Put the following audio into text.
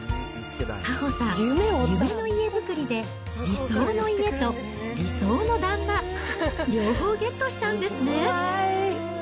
早穂さん、夢の家作りで理想の家と、理想の旦那、両方ゲットしたんですね。